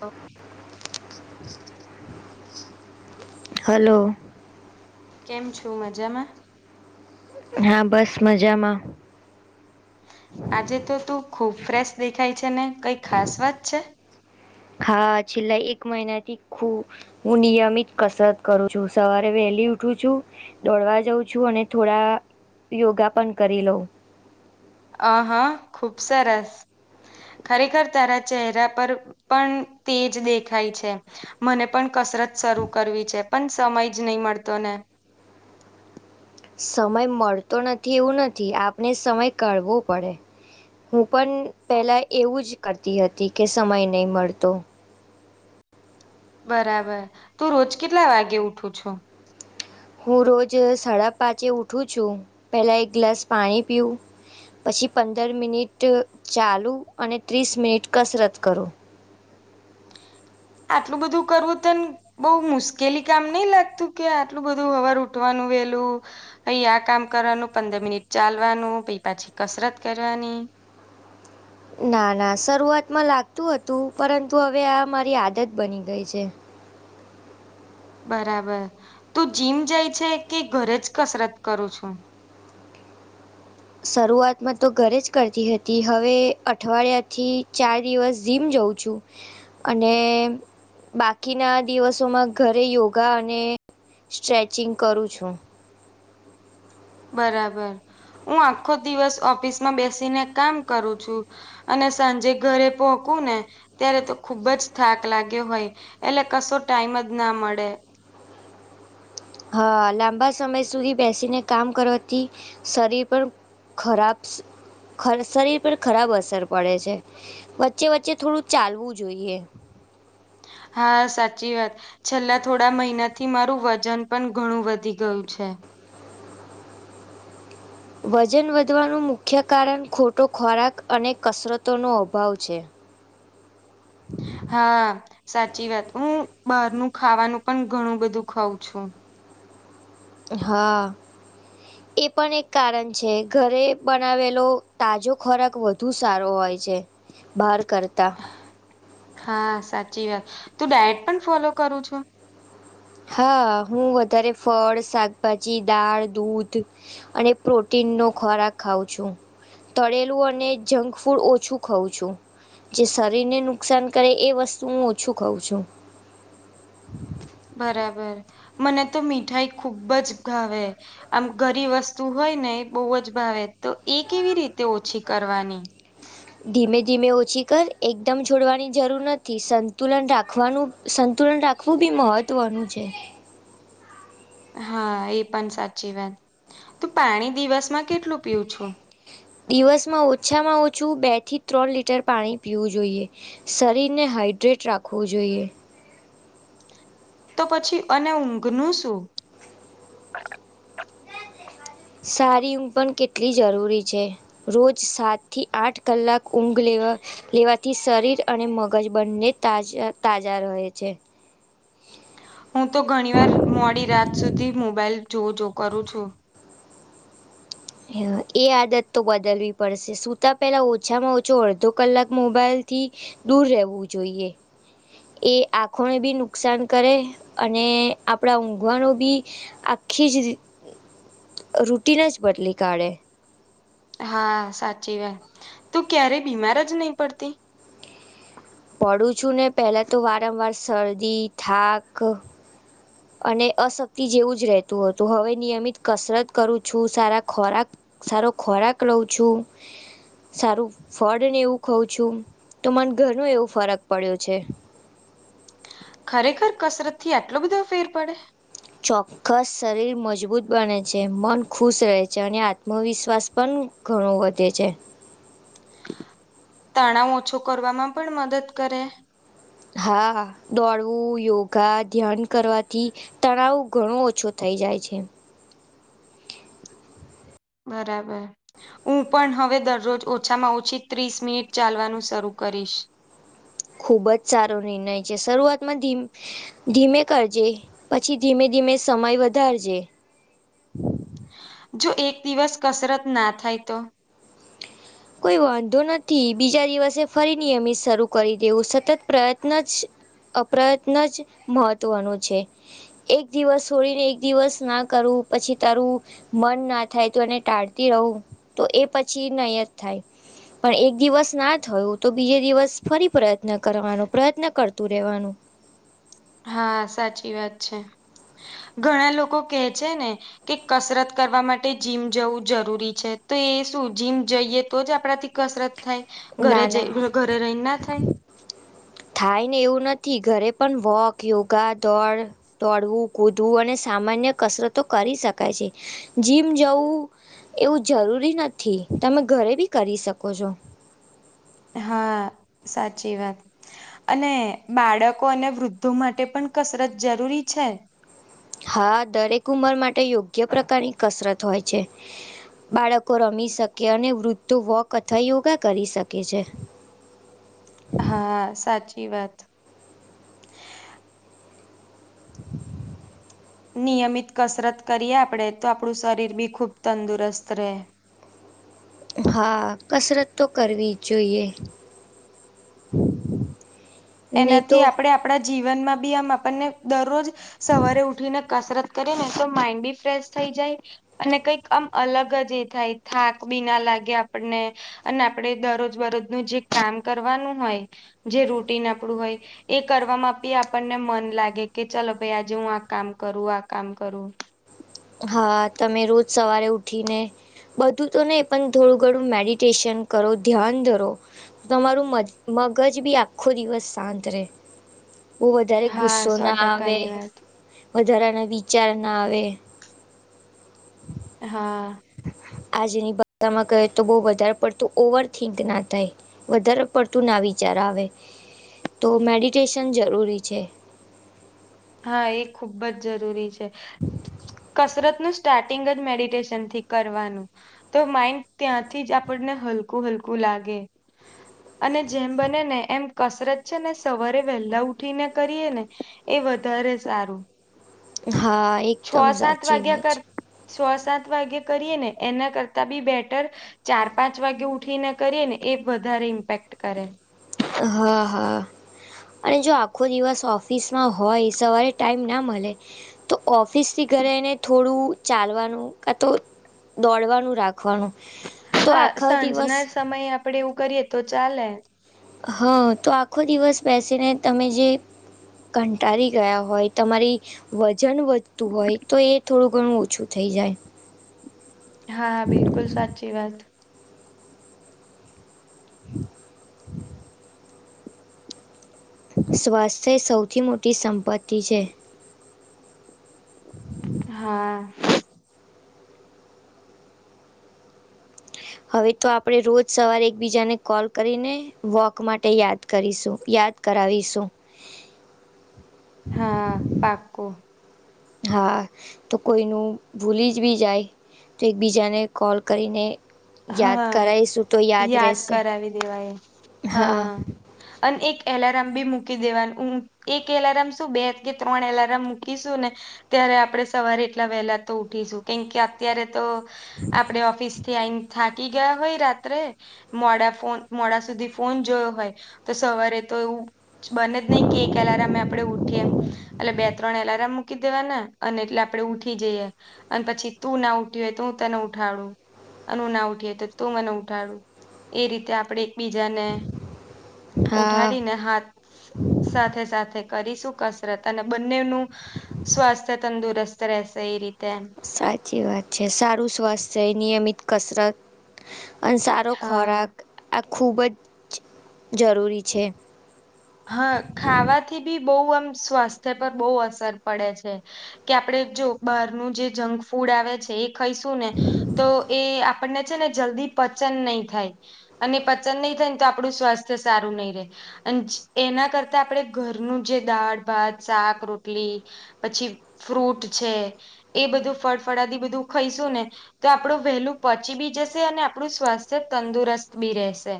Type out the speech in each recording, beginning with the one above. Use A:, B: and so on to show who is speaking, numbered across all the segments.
A: હા
B: હલો
A: કેમ છો મજામાં.
B: હા બસ મજામાં.
A: આજે તો તું ખૂબ ફ્રેશ દેખાય છે ને કંઈ ખાસ વાત છે.
B: હા છેલ્લા એક મહિના થી ખું હું નિયમિત કસરત કરું છું સવારે વહેલી ઉઠું છું. દોડવા જઉં છું અને થોડા યોગા પણ કરી લઉં.
A: અ હા ખુબ સરસ. ખરેખર તારા ચહેરા પર પણ તેજ દેખાય છે. મને પણ કસરત શરૂ કરવી છે પણ સમય જ નહી મળતો ને.
B: સમય મળતો નથી એવું નથી આપને સમય કાઢવો પડે. હું પણ પેલા એવું જ કરતી હતી કે સમય નહી મળતો.
A: બરાબર તું રોજ કેટલા વાગે ઉઠું છું.
B: હું રોજ સાડા પાચે ઊઠું છું પહેલાં એક ગ્લાસ પાણી પીવું પછી પંદર મિનિટ ચાલું અને ત્રીસ મિનિટ કસરત કરૂ.
A: આટલું બધું કરવું તન બઉુ મુશ્કેલી કામ નઈ લાગતું કે આટલું બધું હવાર ઉઠવાનું વેલું ઈ આ કામ કરવાનું પંદર મિનિટ ચાલવાનું પહી પાછી કસરત કરવાની.
B: ના ના શરૂઆતમાં લાગતું હતું પરંતુ હવે આ મારી આદત બની ગઈ છે.
A: બરાબર તું જીમ જાય છે કે ઘરે જ કસરત કરું છું?
B: શરૂઆતમાં તો ઘરે જ કરતી હતી હવે અઠવાડિયાથી ચાર દિવસ જીમ જવું છું. અને બાકીના દિવસોમાં ઘરે યોગા અને સ્ટ્રેચિંગ કરું છું.
A: બરાબર હું આખો દિવસ ઓફિસમાં બેસી ને કામ કરું છું. અને સાંજે ઘરે પોહકું ને ત્યારે તો ખુબ જ થાક લાગ્યો હોય એટલે કશો ટાઈમ જ ના મળે.
B: હા લાંબા સમય સુધી બેસીને કામ કરવાથી શરીર પણ ખરાબ ખર શરીર પર ખરાબ અસર પડે છે વચ્ચે વચ્ચે થોડું ચાલવું જોઈએ.
A: હા સાચી વાત. છેલ્લા થોડા મહિનાથી મારું વજન પણ ઘણું વધી ગયું છે.
B: વજન વધવાનું મુખ્ય કારણ ખોટો ખોરાક અને કસરતોનો અભાવ છે. [inaudible]
A: હા સાચી વાત હું બારનું ખાવાનું પણ ઘણું બધું ખઉં છું.
B: હા.
A: [inaudible]
B: એ પણ એક કારણ છે ઘરે બનાવેલો તાજો ખોરાક વધુ સારો હોય છે. બાર કરતા
A: હા સાચી વાત તું ડાયટ પણ ફોલો કરું છું?
B: હા હું વધારે ફળ, શાકભાજી, દાળ, દૂધ, અને પ્રોટીન નો ખોરાક ખાવં છું. તળેલું અને જંક ફૂડ ઓછું ખઉં છું. જે શરીરને નુકસાન કરે એ વસ્તુ હું ઓછું ખઉ છું.
A: બરાબર મને તો મીઠાઈ ખુબ જ ગાવે. આમ ઘરી વસ્તુ હોય ને એ બહુ જ ભાવે તો એ કેવી રીતે ઓછી કરવાની.
B: ધીમે ધીમે ઓછી કર એકદમ છોડવાની જરૂર નથી સંતુલન રાખવાનું સંતુલન રાખવું બી મહત્વનું છે.
A: હા એ પણ સાચી વાત તું પાણી દિવસમાં કેટલું પીવું છું?
B: દિવસમાં ઓછામાં ઓછું બે થી ત્રણ લીટર પાણી પીવું જોઈએ. શરીર ને હાઈડ્રેટ રાખવું જોઈએ.
A: તો પછી અને ઊંઘ નું શું?
B: સારી ઊંઘ પણ કેટલી જરૂરી છે. રોજ સાત થી આઠ કલાક ઊંઘ લેવા લેવાથી શરીર અને મગજ બંને તાજા તાજા રહે છે.
A: હુ તો ઘણી વાર મોડી રાત સુધી મોબાઈલ જુઓ જો કરુ છુ.
B: એ આદત તો બદલવી પડશે સતાં પહેલાં ઓછામાં ઓછો અડધો કલાક મોબાઈલથી. દૂર રહેવું જોઈએ એ આંખોને બી નુકસાન કરે અને આપણા ઊંઘવાણુ બી આખી જ રૂટીન જ બદલી કાઢે
A: હા સાચી વાત તુ ક્યારેય બીમાર જ નહી પડતી
B: પડું છું ને પેલા તો વારંવાર શરદી થાક અને અશક્તિ જેવું જ રહેતું હતુ હવે નિયમિત કસરત કરુ છુ, સારા ખોરાક સારો ખોરાક રહઉ છુ. સારું ફળ ને એવું ખઉં છુ, તો મન ઘણુ એવો ફરક પડ્યો છે.
A: ખરેખર કસરત થી આટલો બધો ફેર પડે
B: ચોક્કસ શરીર મજબૂત બને છે મન ખુશ રહે છે, અને આત્મવિશ્વાસ પણ ઘણું વધે છે.
A: તણાવ ઓછો કરવામાં પણ મદદ કરે
B: હા દોડવું યોગા ધ્યાન કરવાથી. તણાવ ઘણું ઓછો થઈ જાય છે.
A: બરાબર હુ પણ હવે દરરોજ ઓછામાં ઓછી ત્રીસ મિનિટ ચાલવાનું શરૂ કરીશ
B: ખૂબ જ સારો નિર્ણય છે, શરૂઆતમાં ધીમ ધીમે કરજે પછી ધીમે ધીમે સમય વધારજે
A: જો એક દિવસ કસરત ના થાય તો
B: કોઈ વાંધો નથી બીજા દિવસે ફરી નિયમિત શરૂ કરી દેવું સતત પ્રયત્ન જ અપ્રયત્ન જ મહત્વનુ છે. એક દિવસ છોડીને એક દિવસ ના કરુ પછી તારુ મન ના થાય તો એને ટાળતી રહું તો એ પછી નયત થાય. પણ એક દિવસ ના થયું તો બીજે દિવસ ફરી પ્રયત્ન કરવાનો પ્રયત્ન કરતું રહેવાનુ
A: હા સાચી વાત છે ઘણા લોકો કેહ છેને. કે કસરત કરવા માટે જીમ જવું જરૂરી છે, તો એ શું જીમ જઈએ તો જ આપણાથી કસરત થાય ઘરે
B: ના
A: જ
B: ના
A: ઘરે રઈ ના થાય.
B: થાય ને એવું નથી, ઘરે પણ વોક યોગા દોડ તોડવું કૂદવું અને સામાન્ય કસરતો કરી શકાય છે જીમ જવુ એવું જરૂરી નથી તમે ઘરે ભિ કરી શકો છો.
A: હા સાચી વાત અને બાળકો અને વૃદ્ધો માટે પણ કસરત જરૂરી છે.
B: હા દરેક ઉંમર માટે યોગ્ય પ્રકારની કસરત હોય છે. બાળકો રમી શકે અને વૃદ્ધો વોક અથવા યોગા કરી શકે છે.
A: હા સાચી વાત
B: [inaudible]
A: નિયમિત કસરત કરીએ આપડે તો આપણું શરીર બી ખુબ તંદુરસ્ત રહે.
B: હા કસરત તો કરવી જ જોઈએ. [unintelligible] તો
A: એનાથી આપણે આપણા જીવનમાં બી આમ આપણને દરરોજ સવારે ઉઠીને કસરત કરી ને તો માઈન્ડ બી ફ્રેશ થઈ જાય. અને કંઈક અમ અલગ જ એ થાય થાક બી ના લાગે આપણને અને આપડે દરરોજ બરોજનું જે કામ કરવાનું હોય જે રૂટીન આપણું હોય. એ કરવામાં આપી આપણને મન લાગે કે ચલો ભાઈ આજે હું આ કામ કરું આ કામ કરુ
B: હા તમે રોજ સવારે ઉઠીને બધું તો ને પણ થોડું ઘણું મેડિટેશન કરો ધ્યાન ધરો તમારું મજ મગજ બી આખો દિવસ શાંત રહે. બહું વધારે
A: હા
B: ગુસ્સો
A: સો
B: ના આવે,
A: ટકાની વાત
B: વધારાના વિચાર ના આવે.
A: હા.
B: આજની ભાષામાં કહે તો બહું વધારે પડતું ઓવર થિંક ના થાય. વધારે પડતું ના વિચાર આવે, તો મેડિટેશન જરૂરી છે.
A: હા એ ખુબ જ જરૂરી છે. કસરત નજ સ્ટાર્ટિંગ જ મેડિટેશન થી કરવાનું. તો માઈન્ડ ત્યાંથી જ આપણને હલકું-હલકું લાગે. અને જેમ બને ને એમ કસરત છે ને સવારે વહેલા ઉઠીને કરીએ ને, એ વધ ધારે સારું.
B: હા એક
A: છ સાત વાગ્યા કર, છ સાત વાગ્યા કરીએ ને એના કરતા બી બેટર ચાર પાંચ વાગે ઉઠીને કરીએ ને એ વધારે ઇમ્પેક્ટ કરે.
B: હા, હા. અને જો આખો દિવસ ઓફિસમાં હોય, સવારે ટાઈમ ના મલે તો ઓફિસ થી ઘરે એને થોડું ચાલવાનું કા તો દોડવાનું રાખ ખવાનું, તો
A: હા
B: આખો દિવસ
A: સાંજના સમયે આપડે એવું કરીએ તો ચાલે.
B: હા. તો આખો દિવસ બેસીને તમે જે કંટાળી ગયા હોય, તમારી વજન વધતું હોય તો એ થોડું ઘણું ઓછું થઈ જાય.
A: હા, બિલકુલ સાચી વાત.
B: [inaudible] સ્વાસ્થ્ય સૌથી મોટી સંપત્તિ છે.
A: હા.
B: હવે તો આપણે રોજ સવારે એકબીજાને કોલ કરીને વોક માટે યાદ કરીશું. યાદ કરાવીશું.
A: હા, પાક્કું.
B: હા. તો કોઈનું ભૂલી જ બી જાય, તો એકબીજાને કોલ કરીને યાદ
A: હા,
B: કરાઈશું તો
A: યાદ
B: રહેશે
A: કરાવી દેવાય, હા. અન એક એલાર્મા બી મૂકી દેવાનું [unintelligible] એક એલાર્મ શું, બે કે ત્રણ એલાર્મ મૂકીશું ને ત્યારે આપણે સવારે એટલા વહેલા તો ઉઠીશું, કેમ કે અત્યારે તો આપડે ઓફિસ થી આઈન થાકી ગયા હોય રાત્રે મોડા ફોન મોડા સુધી ફોન જોયો હોય, તો સવારે તો એવું બને જ નહી કે એક એલારામ આપડે ઉઠીએ, એટલે બે ત્રણ એલારામ મૂકી દેવાના અને એટલે આપડે ઉઠી જઈએ. અને પછી તું ના ઉઠી હોય તો હું તને ઉઠાડું. અનું ના ઉઠીએ તો તું મને ઉઠાડ, એ રીતે આપણે બીજાને
B: હા
A: ઉઠાડીને હાથ સાથે-સાથે કરીશું કસરત, અને બંનેવનું સ્વાસ્થ્ય તંદુરસ્ત રહેશે એ રીતે.
B: સાચી વાત છે. સારું સ્વાસ્થ્ય, નિયમિત કસરત, અને સા રો
A: હા
B: ખોરાક આ ખૂબ જ જરૂરી છે.
A: હા, ખાવાથી બી બહુ આમ સ્વાસ્થ્ય પર બહુ અસર પડે છે. કે આપડે જો બહારનું જે જંક ફૂડ આવે છે એ ખઈશું ને તો એ આપણને છે ને જલ્દી પચન નહીં થાય. અને પચન નહીં થાય ને તો આપણું સ્વાસ્થ્ય સારું નહી રહે. અને [unintelligible] એના કરતા આપણે ઘરનું જે દાળ, ભાત, શાક, રોટલી પછી ફ્રૂટ છે એ બધું ફળફળાદી બધું ખઈશું ને તો આપણું વહેલું પચી બી જશે, અને આપણું સ્વાસ્થ્ય તંદુરસ્ત બી રહેશે.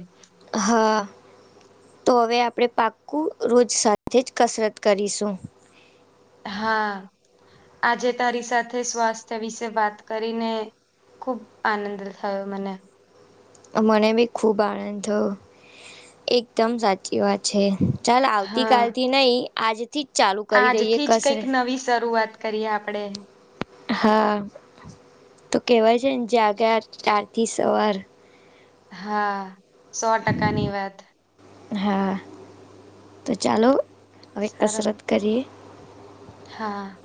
B: હા તો હવે આપણે પાક્કું રોજ સાથે જ કસરત કરીશું
A: હા આજે તારી સાથે સ્વાસ્થ્ય વિશે વાત કરીને ખુબ આનંદ થયો મને
B: મને બી ખૂબ આનંદ થયો એકદમ સાચી વાત છે ચાલ
A: હા
B: આવતીકાલ થી નહી આજથી જ ચાલુ કરી દઈએ
A: આજથી જ કઈક
B: કસરત
A: નવી શરૂઆત કરીએ આપડે
B: હા તો કેવાય છે ને જાગ્યા ચથી સવાર
A: હા સો ટકાની વાત
B: હા તો ચાલો હવે
A: સારો
B: કસરત કરીએ
A: હા